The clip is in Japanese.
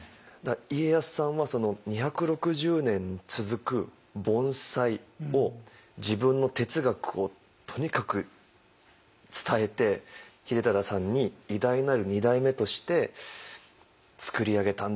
家康さんはその２６０年続く盆栽を自分の哲学をとにかく伝えて秀忠さんに偉大なる二代目として作り上げたんだなって。